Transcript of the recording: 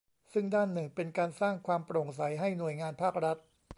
ซึ่งด้านหนึ่งเป็นการสร้างความโปร่งใสให้หน่วยงานภาครัฐ